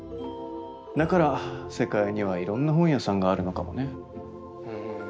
だから世界にはいろんな本屋さんがあるのかもね。